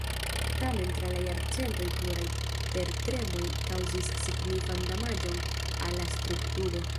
Tamen tra la jarcentoj pluraj tertremoj kaŭzis signifan damaĝon al la strukturo.